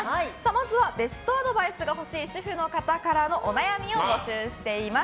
まずは、ベストアドバイスが欲しい主婦の方からのお悩みを募集しています。